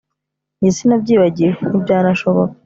Njye sinabyibagiwe ntibyanashoboka